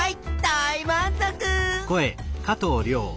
大満足！